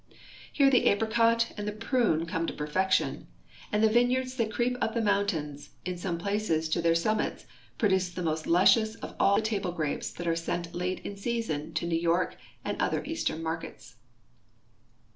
Here the apricot and the prune come to perfection, and the vine yards that creep up the mountains, in some places to their sum mits, produce the most luscious of all the table grapes that are sent late in the season to New York and other eastern markets.